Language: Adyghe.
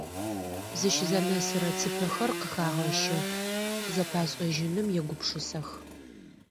Зыщзэнэсырэ цыпэхэр къыхагъэщы, зэпашӏэжьыным егупшысэх.